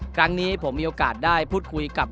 ครั้งนี้ผมมีโอกาสได้พูดคุยกับ